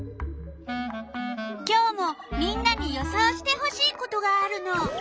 今日もみんなに予想してほしいことがあるの。